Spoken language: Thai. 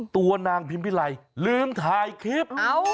ตัวนางพิมพิไลลืมถ่ายคลิป